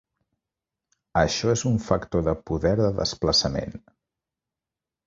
Això és un "factor de poder de desplaçament".